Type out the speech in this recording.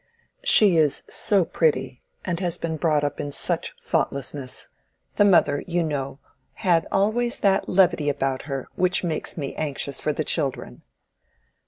"She is so pretty, and has been brought up in such thoughtlessness. The mother, you know, had always that levity about her, which makes me anxious for the children."